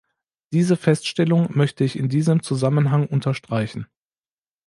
Diese Feststellung möchte ich in diesem Zusammenhang unterstreichen.